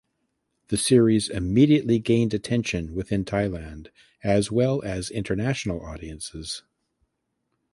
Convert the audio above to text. The series immediately gained attention within Thailand as well as international audiences.